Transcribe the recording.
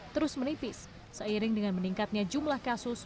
terus menipis seiring dengan meningkatnya jumlah kasus